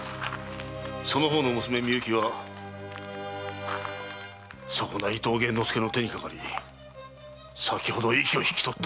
その方の娘美雪はそこな伊藤源之助の手にかかり先ほど息を引き取った。